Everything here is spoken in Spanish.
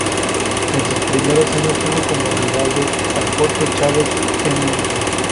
En sus primeros años tuvo como rivales al Jorge Chávez Nr.